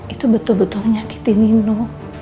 itu betul betul menyakiti ninu